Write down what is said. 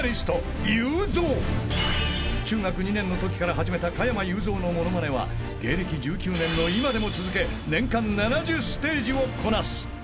［中学２年のときから始めた加山雄三のものまねは芸歴１９年の今でも続け年間７０ステージをこなす］